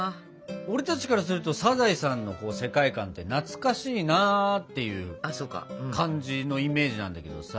俺たちからするとサザエさんの世界観って懐かしいなっていう感じのイメージなんだけどさ。